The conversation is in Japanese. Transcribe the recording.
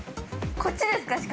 こっちですか？